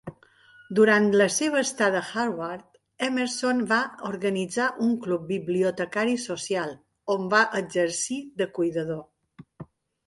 Durant la seva estada a Harvard, Emerson va organitzar un club bibliotecari social, on va exercir de cuidador.